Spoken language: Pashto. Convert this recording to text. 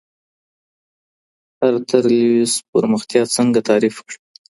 ارتر لیوس پرمختیا څنګه تعریف کړه؟